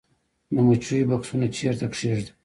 د مچیو بکسونه چیرته کیږدم؟